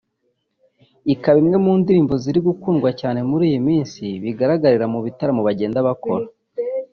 ikaba imwe mu ndirimbo ziri gukundwa cyane muri iyi minsi bigaragarira mu bitaramo bagenda bakora